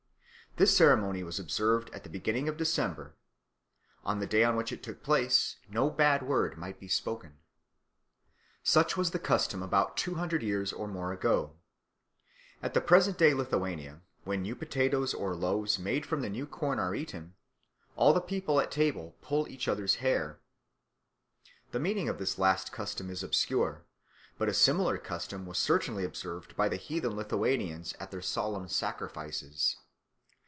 This ceremony was observed at the beginning of December. On the day on which it took place no bad word might be spoken. Such was the custom about two hundred years or more ago. At the present day in Lithuania, when new potatoes or loaves made from the new corn are being eaten, all the people at table pull each other's hair. The meaning of this last custom is obscure, but a similar custom was certainly observed by the heathen Lithuanians at their solemn sacrifices.